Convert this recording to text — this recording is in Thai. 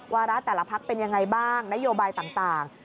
วาระแต่ละพักเป็นยังไงบ้างนโยบายต่าง